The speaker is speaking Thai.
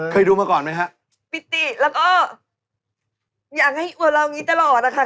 เคยดูมาก่อนไหมครับปิตติแล้วก็อยากให้อยู่กับเรานี้ตลอดค่ะ